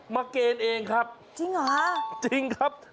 เกณฑ์เองครับจริงเหรอฮะจริงครับ